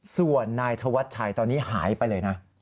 ส่วนนายธวัชชัยตอนนี้หายไปเลยนะ